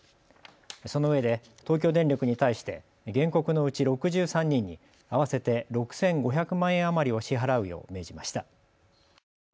そのうえで東京電力に対して原告のうち６３人に合わせて６５００万円余りを支払うよう命じました。